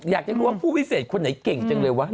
อยากจะรู้ว่าผู้วิเศษคนไหนเก่งจังเลยวะ